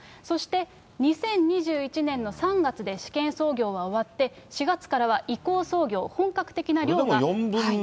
そして、２０２１年の３月で試験操業は終わって、４月からは移行操業、本格的な漁が。